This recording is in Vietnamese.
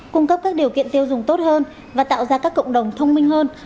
cung cấp các điều kiện tiêu dùng tốt hơn và tạo ra các cộng đồng thông minh hơn